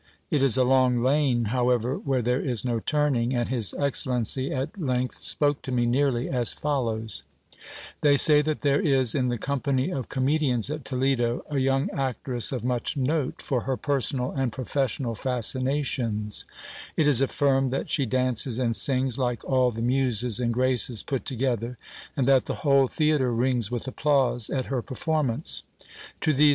It is a long lane, however, where there is no turning ; and his excellency at length spoke to me nearly as follows : They say that there is, in the company of comedians at Toledo, a young actress of much note for her personal and professional fascinations j it is affirmed that she dances and sings like all the muses and graces put together, and that the whole theatre rings with applause at her performance : to these 422 GIL BLAS.